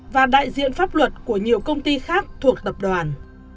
và đại diện pháp luật của nhiều công ty khác thuộc tập đoàn